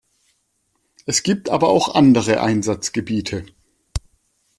Es gibt aber auch andere Einsatzgebiete.